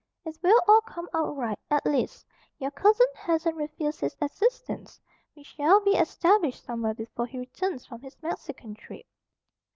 "It will all come out right. At least, your cousin hasn't refused his assistance. We shall be established somewhere before he returns from his Mexican trip."